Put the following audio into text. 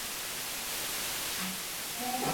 Idadi ya wanyama wanaoathiriwa